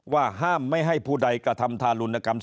ว่าห้ามไม่ให้ผู้ใดกระทำทารุณกรรม